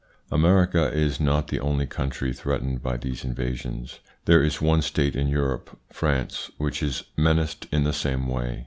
America is not the only country threatened by these invasions. There is one State in Europe, France, which is menaced in the same way.